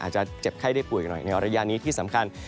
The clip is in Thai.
เจ็บไข้ได้ป่วยหน่อยในระยะนี้ที่สำคัญ